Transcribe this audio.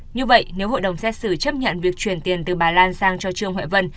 như vậy nếu hội đồng xét xử chấp nhận việc chuyển tiền từ bà lan sang cho trương huệ vân